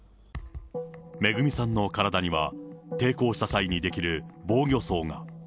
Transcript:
恵さんの体には、抵抗した際に出来る防御創が。